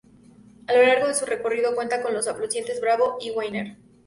A lo largo de su recorrido cuenta con los afluentes Bravo y Wiener.